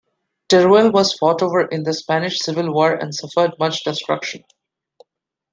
Teruel was fought over in the Spanish Civil War and suffered much destruction.